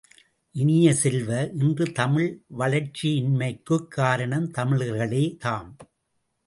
இனிய செல்வ, இன்று தமிழ் வளர்ச்சியின்மைக்குக் காரணம் தமிழர்களே தாம்.